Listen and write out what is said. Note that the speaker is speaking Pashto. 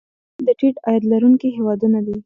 دوهم د ټیټ عاید لرونکي هیوادونه دي.